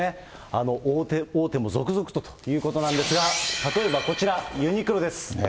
大手も続々とということなんですが、例えばこちら、ユニクロです。